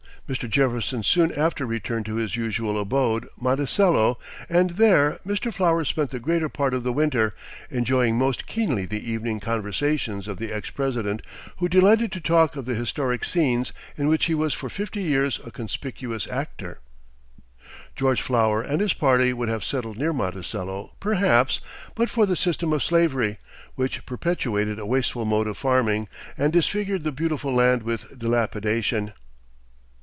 Mr. Jefferson soon after returned to his usual abode, Monticello, and there Mr. Flower spent the greater part of the winter, enjoying most keenly the evening conversations of the ex President, who delighted to talk of the historic scenes in which he was for fifty years a conspicuous actor. George Flower and his party would have settled near Monticello, perhaps, but for the system of slavery, which perpetuated a wasteful mode of farming, and disfigured the beautiful land with dilapidation.